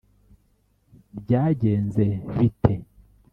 Byagenze bite.